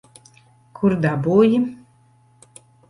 Kur dabūji?